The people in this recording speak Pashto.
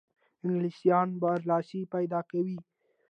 انګلیسیانو برلاسی پیدا کاوه.